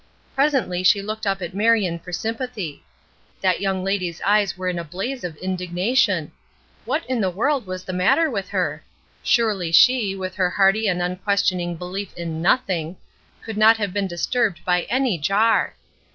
Presently she looked up at Marion for sympathy. That young lady's eyes were in a blaze of indignation. What in the world was the matter with her? Surely she, with her hearty and unquestioning belief in nothing, could not have been disturbed by any jar!